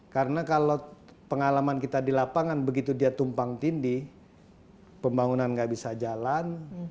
karena kalau pengalaman kita di lapangan begitu dia tumpang tindih pembangunan nggak bisa jalan